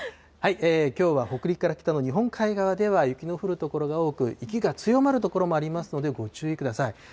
きょうは北陸から北の日本海側では雪の降る所が多く、雪が強まる所もありますので、ご注意ください。